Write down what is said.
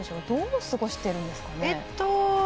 どう過ごしているんですかね。